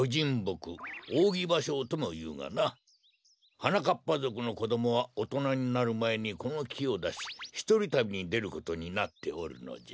はなかっぱぞくのこどもはおとなになるまえにこのきをだしひとりたびにでることになっておるのじゃ。